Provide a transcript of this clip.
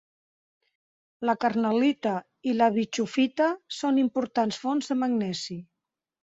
La carnal·lita i la bischofita són importants fonts de magnesi.